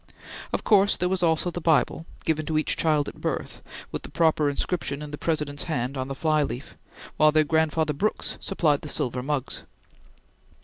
Of course there was also the Bible, given to each child at birth, with the proper inscription in the President's hand on the fly leaf; while their grandfather Brooks supplied the silver mugs.